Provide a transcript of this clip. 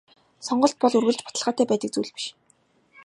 Сонголт бол үргэлж баталгаатай байдаг зүйл биш.